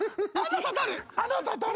あなた誰？